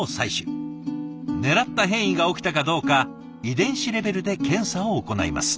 ねらった変異が起きたかどうか遺伝子レベルで検査を行います。